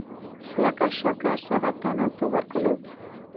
لکه شکر، سرطان او توبرکلوز.